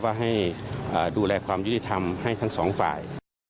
ว่าให้ดูแลความยุติธรรมให้ทั้งสองฝ่าย